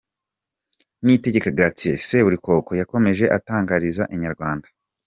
Niyitegeka Gratien Seburikoko yakomeje atangariza Inyarwanda.